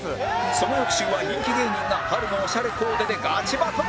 その翌週は人気芸人が春のオシャレコーデでガチバトル！